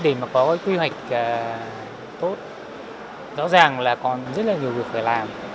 thì để có quy hoạch tốt rõ ràng là còn rất là nhiều việc phải làm